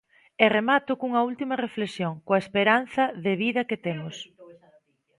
E remato cunha última reflexión, coa esperanza de vida que temos.